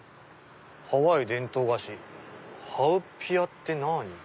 「ハワイ伝統菓子ハウピアってなぁに？」。